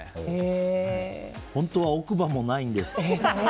本当は奥歯もないんです。